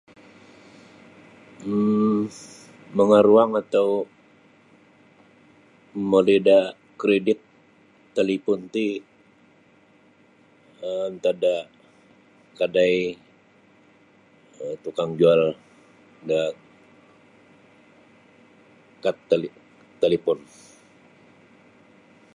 um mangaruang atau momoli da kredit talipon ti um antad da kadai tukang jual da kat tali talipon.